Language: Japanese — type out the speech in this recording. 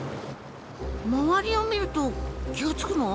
周りを見ると気が付くの？